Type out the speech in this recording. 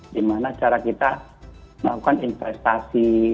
di mana cara kita melakukan investasi